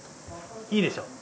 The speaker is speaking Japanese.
いいでしょ。